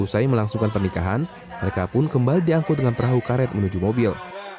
usai melangsungkan pernikahan mereka pun kembali diangkut dengan perahu karet menuju mobil